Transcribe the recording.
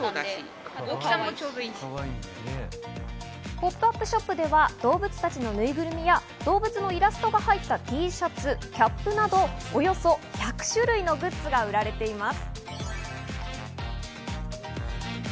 ポップアップショップではどうぶつたちのぬいぐるみやどうぶつのイラストが入ったＴシャツ、キャップなどおよそ１００種類のグッズが売られています。